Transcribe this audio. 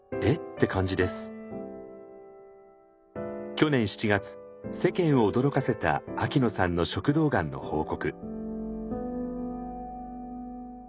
去年７月世間を驚かせた秋野さんの食道がんの報告。